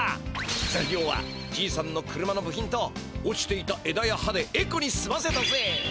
ざいりょうはじいさんの車の部品と落ちていたえだや葉でエコにすませたぜ！